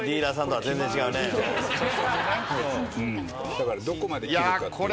だからどこまできるかっていうの。